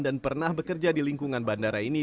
dan pernah bekerja di lingkungan bandara ini